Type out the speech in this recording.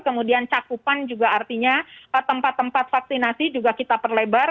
kemudian cakupan juga artinya tempat tempat vaksinasi juga kita perlebar